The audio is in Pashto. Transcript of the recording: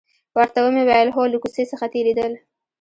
ورته ومې ویل: هو، له کوڅې څخه تېرېدل.